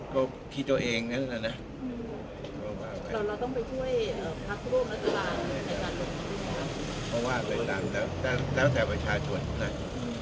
ผมว่าต้องไปหลบแล้วแต่ประชาชนหน่อย